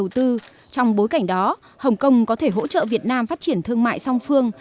trong bối cảnh đó hồng kông có thể hỗ trợ việt nam phát triển thương mại song phương